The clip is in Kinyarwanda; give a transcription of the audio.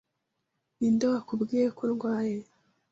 Ninde wakubwiye ko ndwaye?